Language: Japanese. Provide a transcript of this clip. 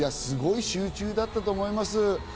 すごい集中だったと思います。